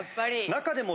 中でも。